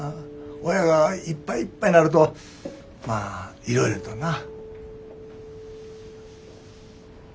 親がいっぱいいっぱいなるとまあいろいろとな。